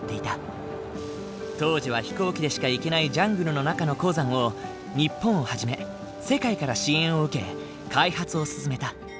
当時は飛行機でしか行けないジャングルの中の鉱山を日本をはじめ世界から支援を受け開発を進めた。